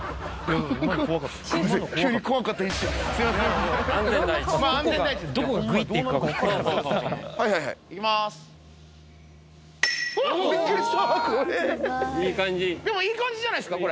怖えいい感じでもいい感じじゃないですか